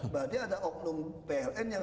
berarti ada oknum pln yang